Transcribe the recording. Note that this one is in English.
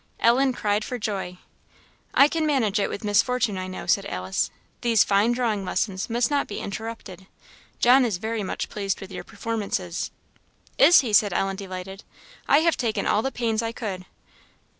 Ellen cried for joy. "I can manage it with Miss Fortune, I know," said Alice. "These fine drawing lessons must not be interrupted. John is very much pleased with your performances." "Is he?" said Ellen delighted. "I have taken all the pains I could."